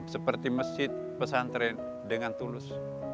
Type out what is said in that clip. seperti masjid pesantren dengan tulus